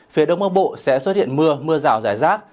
phía đông bắc bộ sẽ xuất hiện mưa mưa rào rải rác